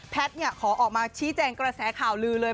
ขอออกมาชี้แจงกระแสข่าวลือเลย